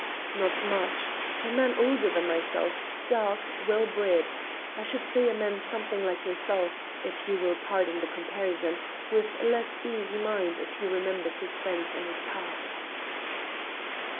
"Not much. A man older than myself, dark, well bred. I should say a man something like yourself, if you will pardon the comparison, with a less easy mind, if he remembers his friends and his past."